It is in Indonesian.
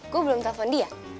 gue belum telepon dia